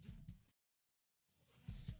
sampai ketemu nanti di bioskop